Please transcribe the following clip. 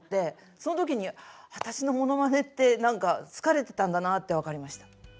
その時に私のものまねって何か好かれてたんだなあって分かりました。